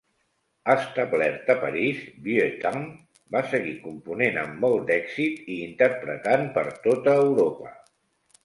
Establert a París, Vieuxtemps va seguir component amb molt d'èxit i interpretant per tota Europa.